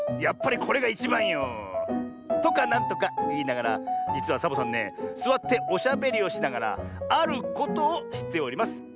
やっぱりこれがいちばんよ。とかなんとかいいながらじつはサボさんねすわっておしゃべりをしながらあることをしております。